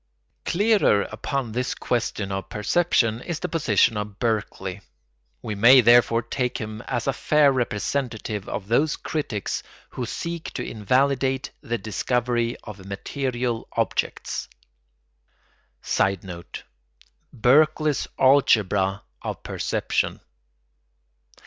Clearer upon this question of perception is the position of Berkeley; we may therefore take him as a fair representative of those critics who seek to invalidate the discovery of material objects. [Sidenote: Berkeley's algebra of perception.